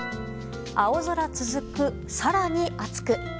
青空続く、更に暑く。